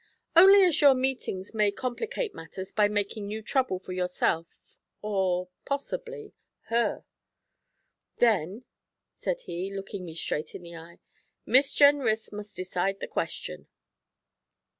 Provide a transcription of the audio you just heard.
'Only as your meetings may complicate matters by making new trouble for yourself, or possibly her.' 'Then,' said he, looking me straight in the eye, 'Miss Jenrys must decide the question.'